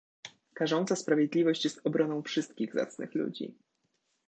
"Karząca sprawiedliwość jest obroną wszystkich zacnych ludzi."